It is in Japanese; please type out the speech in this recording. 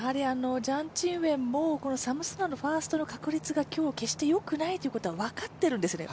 ジャン・チンウェンもサムソノワのファーストの確率が今日決してよくないことは分かっているんですよね。